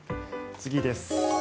次です。